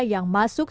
yang masuk ke bumkg